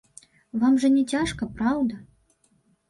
Вам жа не цяжка, праўда?